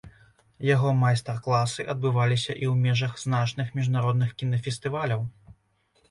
Яго майстар-класы адбываліся і ў межах значных міжнародных кінафестываляў.